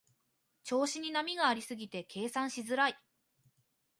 調子に波がありすぎて計算しづらい